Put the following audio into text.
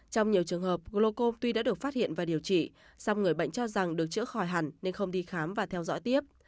trong nhiều trường hợp gloco tuy đã được phát hiện và điều trị song người bệnh cho rằng được chữa khỏi hẳn nên không đi khám và theo dõi tiếp